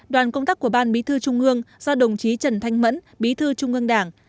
đoàn công tác của ban bí thư trung ương do đồng chí trần thanh mẫn bí thư trung ương đảng